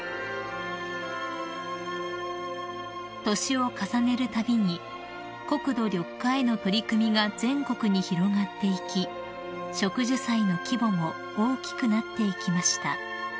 ［年を重ねるたびに国土緑化への取り組みが全国に広がっていき植樹祭の規模も大きくなっていきました］